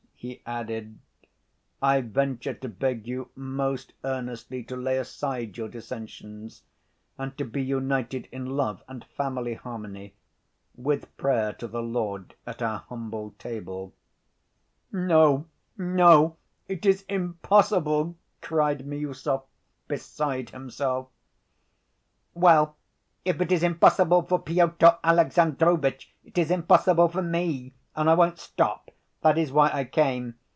he added, "I venture to beg you most earnestly to lay aside your dissensions, and to be united in love and family harmony—with prayer to the Lord at our humble table." "No, no, it is impossible!" cried Miüsov, beside himself. "Well, if it is impossible for Pyotr Alexandrovitch, it is impossible for me, and I won't stop. That is why I came.